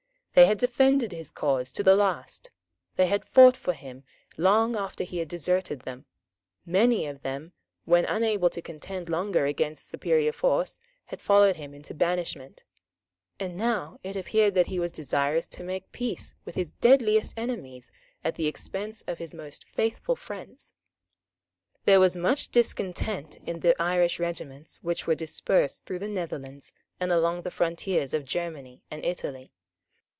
They had defended his cause to the last; they had fought for him long after he had deserted them; many of them, when unable to contend longer against superior force, had followed him into banishment; and now it appeared that he was desirous to make peace with his deadliest enemies at the expense of his most faithful friends. There was much discontent in the Irish regiments which were dispersed through the Netherlands and along the frontiers of Germany and Italy.